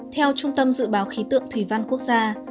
theo trung tâm dự báo khí tượng thủy văn quốc gia